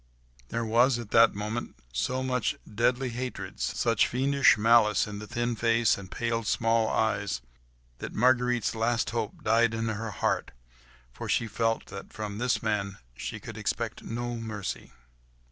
There was at that moment so much deadly hatred, such fiendish malice in the thin face and pale, small eyes, that Marguerite's last hope died in her heart, for she felt that from this man she could expect no mercy.